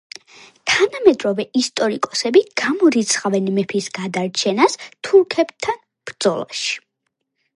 თანამედროვე ისტორიკოსები გამორიცხავენ მეფის გადარჩენას თურქებთან ბრძოლაში.